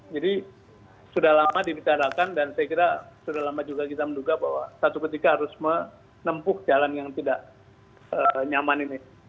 jadi sudah lama dibicarakan dan saya kira sudah lama juga kita menduga bahwa satu ketika harus menempuh jalan yang tidak nyaman ini